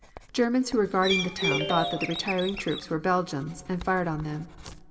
Germans who were guarding the town thought that the retiring troops were Belgians and fired upon them.